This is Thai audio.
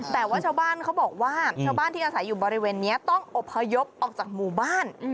แต่ว่าชาวบ้านเขาบอกว่าชาวบ้านที่อาศัยอยู่บริเวณนี้ต้องอบพยพออกจากหมู่บ้าน